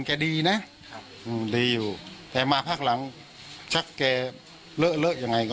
ไม่รู้ว่าอะไรก็เป็นสิ่งแล้วนะ